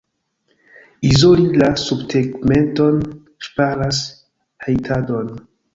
Izoli la subtegmenton ŝparas hejtadon.